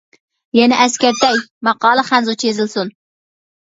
يەنە ئەسكەرتەي : ماقالە خەنزۇچە يېزىلسۇن.